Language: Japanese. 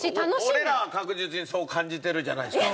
俺らは確実にそう感じてるじゃないですか。